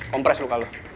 kompres lu kalau